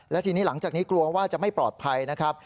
และทีนี้หลังจากนี้กลัวว่าจะไม่ปลอดภัยนะครับ